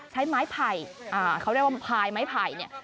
ใช้ไม้ไผ่เขาเรียกว่าพายไม้ไผ่เนี่ย